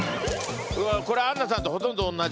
これアンナさんとほとんど同じ。